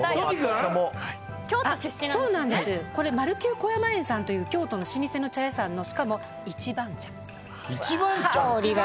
これ丸久小山園さんという京都の老舗の茶屋さんのしかも一番茶。